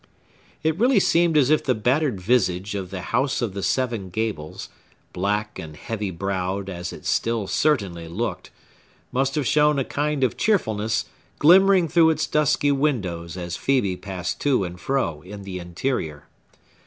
It really seemed as if the battered visage of the House of the Seven Gables, black and heavy browed as it still certainly looked, must have shown a kind of cheerfulness glimmering through its dusky windows as Phœbe passed to and fro in the interior.